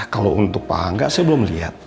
kalau untuk pak angga saya belum lihat